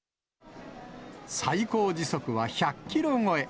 最高時速は１００キロ超え。